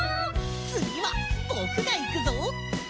つぎはぼくがいくぞ！